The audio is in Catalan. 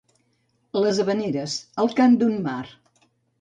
Les Havaneres, el cant d'un mar.